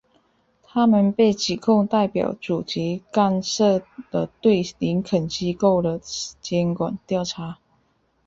他们被指控代表主席干涉了对林肯机构的监管调查。